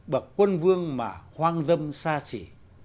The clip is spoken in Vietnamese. bậc quân vương mà hoang dâm xa xỉ